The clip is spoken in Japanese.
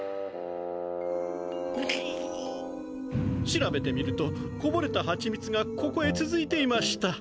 調べてみるとこぼれたハチミツがここへつづいていました。